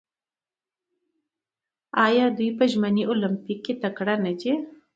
آیا دوی په ژمني المپیک کې تکړه نه دي؟